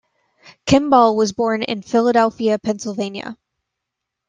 Kimball was born in Philadelphia, Pennsylvania.